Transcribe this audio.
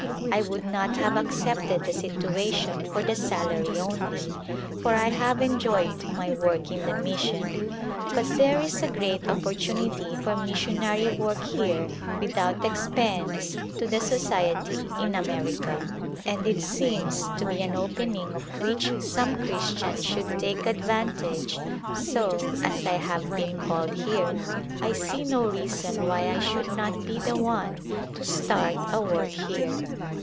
I would not have accepted the situation for the salary only, for I have enjoyed my work in the mission, but there is a great opportunity for missionary work here with out expense to the Society in America, and it seems to be an opening of which some Christian should take advantage, so, as I have been called here, I see no reason why I should not be the one to start a work here.